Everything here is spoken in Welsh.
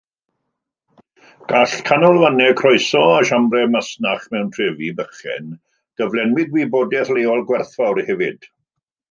Gall canolfannau croeso a siambrau masnach mewn trefi bychain gyflenwi gwybodaeth leol werthfawr hefyd.